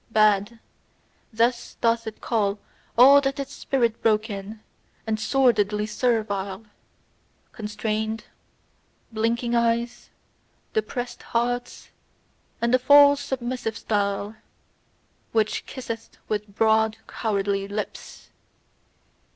Bad: thus doth it call all that is spirit broken, and sordidly servile constrained, blinking eyes, depressed hearts, and the false submissive style, which kisseth with broad cowardly lips.